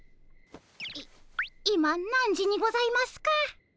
い今何時にございますか？